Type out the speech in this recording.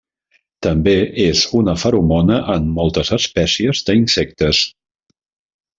També és una feromona en moltes espècies d'insectes.